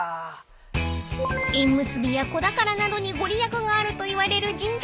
［縁結びや子宝などに御利益があるといわれる神社］